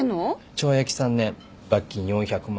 懲役３年罰金４００万。